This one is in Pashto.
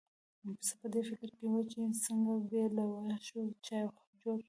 پسه په دې فکر کې و چې څنګه بې له واښو چای جوړ کړي.